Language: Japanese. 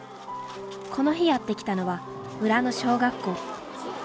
この日やって来たのは村の小学校。